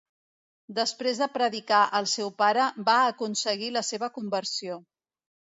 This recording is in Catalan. Després de predicar al seu pare va aconseguir la seva conversió.